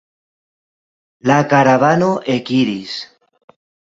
La karavano ekiris.